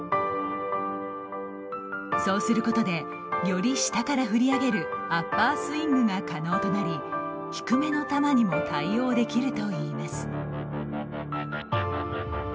そうすることでより下から振り上げるアッパースイングが可能となり低めの球にも対応できるといいます。